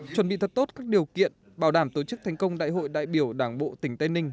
chuẩn bị thật tốt các điều kiện bảo đảm tổ chức thành công đại hội đại biểu đảng bộ tỉnh tây ninh